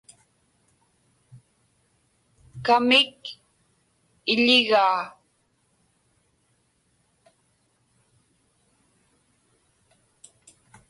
Kamik iḷigaa.